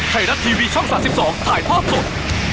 ให้รับทีวีช่อง๓๒ถ่ายพอร์ตสด